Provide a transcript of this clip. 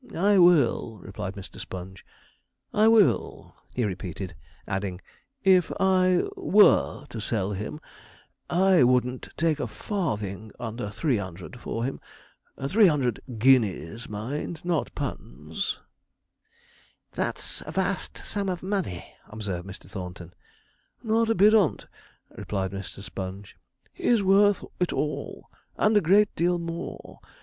'I will,' replied Mr. Sponge; 'I will,' repeated he, adding, 'if I were to sell him, I wouldn't take a farthing under three 'underd for him three 'underd guineas, mind, not punds.' 'That's a vast sum of money,' observed Mr. Thornton. 'Not a bit on't,' replied Mr. Sponge. 'He's worth it all, and a great deal more.